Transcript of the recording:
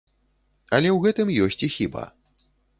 Але ў гэтым ёсць і хіба.